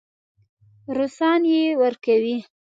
روسان یې ورکوي.